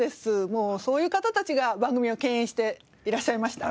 もうそういう方たちが番組をけん引していらっしゃいました。